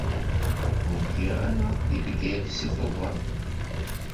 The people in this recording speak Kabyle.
Ur lliɣ ara deg Bgayet seg Tubeṛ.